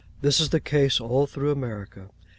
This is the case all through America.